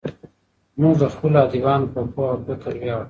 موږ د خپلو ادیبانو په پوهه او فکر ویاړو.